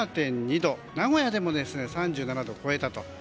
名古屋でも３７度を超えたと。